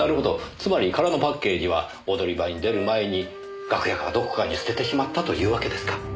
つまり空のパッケージは踊り場に出る前に楽屋かどこかに捨ててしまったというわけですか。